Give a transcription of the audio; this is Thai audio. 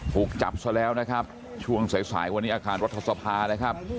ถูกจับซะแล้วนะครับช่วงสายสายวันนี้อาคารรัฐสภานะครับ